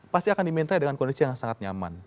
pasti akan diminta dengan kondisi yang sangat nyaman